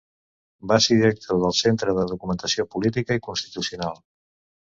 Va ser director del Centre de Documentació Política i Constitucional.